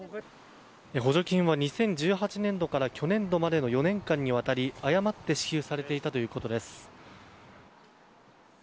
補助金は２０１８年度から去年度までの４年間にわたり誤って支給されていたということです。